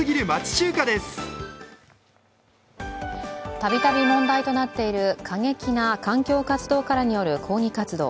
たびたび問題となっている過激な環境活動家らによる抗議活動。